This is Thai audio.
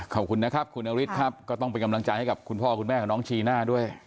ขอบคุณนะครับคุณนฤทธิ์ครับก็ต้องเป็นกำลังใจให้กับคุณพ่อคุณแม่ของน้องจีน่าด้วย